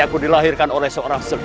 ayahku dilahirkan oleh seorang seluruh